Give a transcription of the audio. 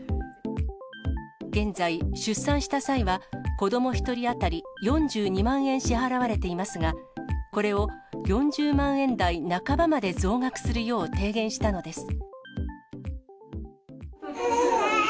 現在、出産した際は、子ども１人当たり４２万円支払われていますが、これを４０万円台半ばまで増額するよう提言したのです。